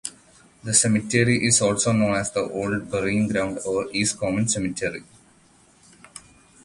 The cemetery is also known as the Old Burying Ground or East Commons Cemetery.